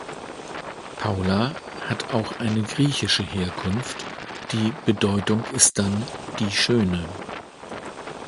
Paula hat auch eine griechische Herkunft, die Bedeutung ist dann "die Schöne".